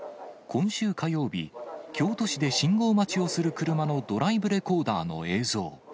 今週火曜日、京都市で信号待ちをする車のドライブレコーダーの映像。